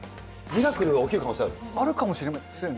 ミラクルが起きる可能性がああるかもしれませんね。